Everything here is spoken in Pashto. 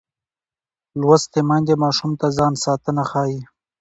لوستې میندې ماشوم ته د ځان ساتنه ښيي.